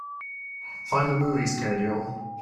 Find the movie schedule.